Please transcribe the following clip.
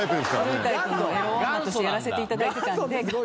古いタイプのエロ女としてやらせて頂いてたんで。